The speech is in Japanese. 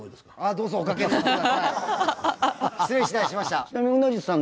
どうぞおかけになってください。